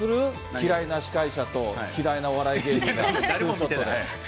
嫌いな司会者と嫌いなお笑い芸人がツーショットで。